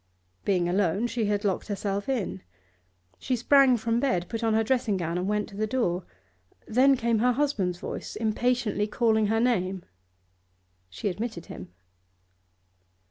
Being alone, she had locked herself in. She sprang from bed, put on her dressing gown, and went to the door. Then came her husband's voice, impatiently calling her name. She admitted him.